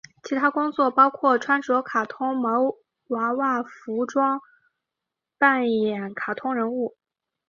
其他工作包括穿着卡通毛娃娃服扮演卡通人物。